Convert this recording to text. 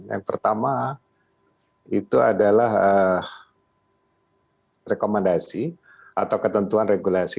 yang pertama itu adalah rekomendasi atau ketentuan regulasi